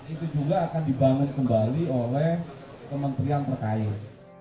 itu juga akan dibangun kembali oleh pemerintah yang terkait